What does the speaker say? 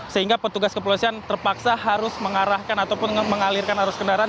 sehingga petugas kepolisian terpaksa harus mengarahkan ataupun mengalirkan arus kendaraan